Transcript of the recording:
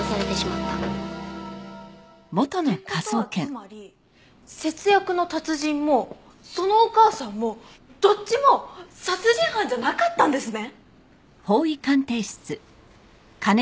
って事はつまり節約の達人もそのお母さんもどっちも殺人犯じゃなかったんですね！